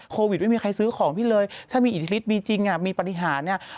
โควิดไม่มีใครซื้อของพี่เลยถ้ามีอิทธิฤทธิ์มีจริงมีปฏิหาร